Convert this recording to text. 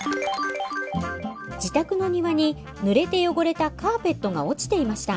自宅の庭にぬれて汚れたカーペットが落ちていました。